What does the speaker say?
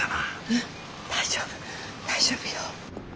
うん大丈夫大丈夫よ。